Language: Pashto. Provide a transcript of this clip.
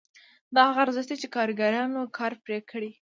دا هغه ارزښت دی چې کارګرانو کار پرې کړی